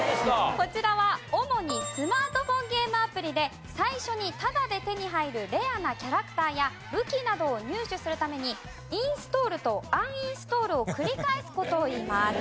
こちらは主にスマートフォンゲームアプリで最初にタダで手に入るレアなキャラクターや武器などを入手するためにインストールとアンインストールを繰り返す事をいいます。